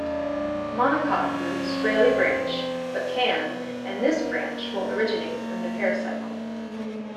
Monocot roots rarely branch, but can, and this branch will originate from the pericycle.